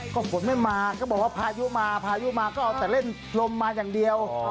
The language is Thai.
ก็ฝนไม่มาก็บอกว่าพายุมาพายุมาก็เอาแต่เล่นลมมาอย่างเดียว